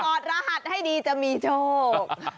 อดรหัสให้ดีจะมีโชค